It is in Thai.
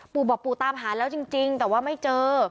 ปู่บอกปู่ตามหาแล้วจริงแต่ว่าไม่เจอ